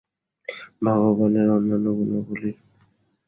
ভগবানের অন্যান্য গুণাবলী সম্বন্ধেও এইরূপ।